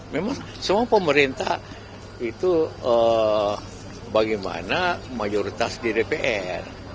memang semua pemerintah itu bagaimana mayoritas di dpr